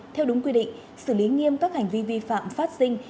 theo đúng quy định xử lý nghiêm các hành vi vi phạm phát sinh